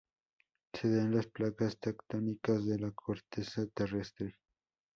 Se da en las placas tectónicas de la corteza terrestre.